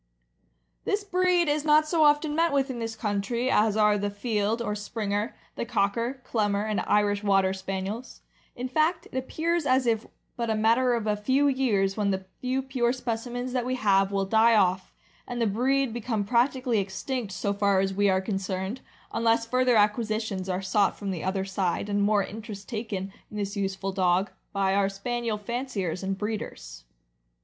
This breed is not so often met with in this country as are the Field, or Springer, the Cocker, Clumber, and Irish Water Spaniels; in fact it appears as if but a matter of a few years when the few pure specimens that we have will die off, and the breed become practically extinct so far as we are concerned, unless further acquisitions are sought from the other side, and more interest taken in this useful dog, by our Spaniel fanciers and breeders.